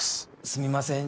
すみません。